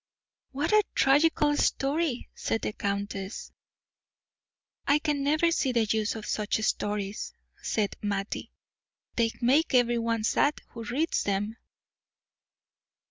"What a tragical story!" said the countess. "I can never see the use of such stories," said Mattie; "they make every one sad who reads them."